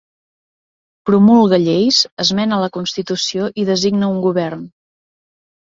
Promulga lleis, esmena la constitució i designa un govern.